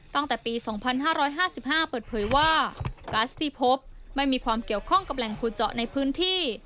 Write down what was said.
ตั้งแต่ปี๒๕๕๕เปิดเผยว่าก๊าซที่พบไม่มีความเกี่ยวข้องกับแหล่งขุดเจาะในพื้นที่